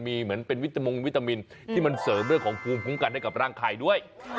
มีเหมือนเป็นวิตามงวิตามินที่มันเสริมเรื่องของภูมิคุ้มกันให้กับร่างกายด้วย